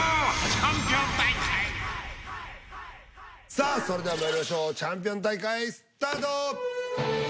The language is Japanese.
さあそれではまいりましょう「チャンピオン大会」スタート。